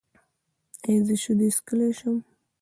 ایا زه شیدې څښلی شم؟